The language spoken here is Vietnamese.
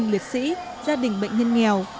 gia đình liệt sĩ gia đình bệnh nhân nghèo